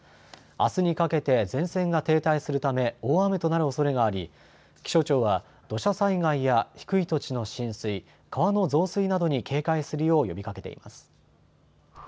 あすにかけて前線が停滞するため大雨となるおそれがあり気象庁は土砂災害や低い土地の浸水、川の増水などに警戒するよう呼びかけています。